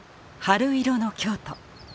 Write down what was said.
春色の京都。